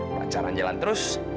perjalanan jalan terus